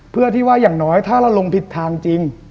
เพื่อที่ว่าอย่างน้อยถ้าเราลงผิดทางจริง